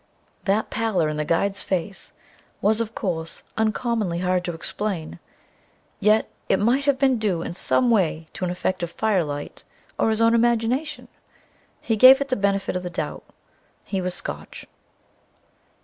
That pallor in the guide's face was, of course, uncommonly hard to explain, yet it might have been due in some way to an effect of firelight, or his own imagination ...He gave it the benefit of the doubt; he was Scotch.